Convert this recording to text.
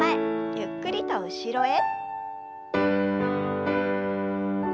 ゆっくりと後ろへ。